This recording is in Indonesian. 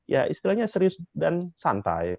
ya istilahnya serius dan santai